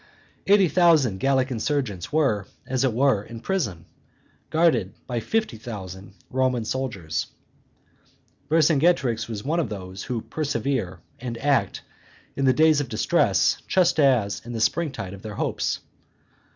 Eighty thousand Gallic insurgents were, as it were, in prison, guarded by fifty thousand Roman soldiers. Vercingetorix was one of those who persevere and act in the days of distress just as in the spring tide of their hopes.